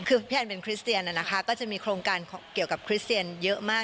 คือพี่แอนเป็นคริสเตียนนะคะก็จะมีโครงการเกี่ยวกับคริสเตียนเยอะมาก